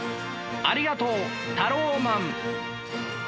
ありがとうタローマン！